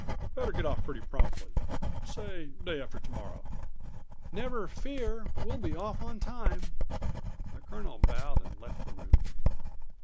Better get off pretty promptly; say day after to morrow." "Never fear. We'll be off on time." The colonel bowed and left the room.